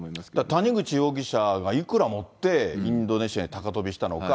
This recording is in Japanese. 谷口容疑者がいくら持って、インドネシアに高飛びしたのか。